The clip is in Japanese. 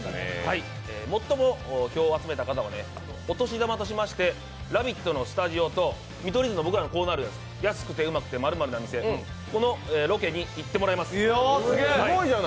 最も票を集めた方はお年玉として「ラヴィット！」のスタジオと見取り図のコーナー、「安くてウマくて○○な店」、このロケに行ってもらいます。